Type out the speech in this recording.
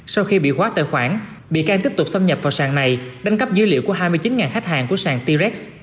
sau khi bị hóa tài khoản bị can tiếp tục xâm nhập vào sàn này đánh cấp dữ liệu của hai mươi chín khách hàng của sàn t rex